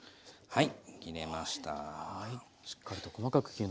はい。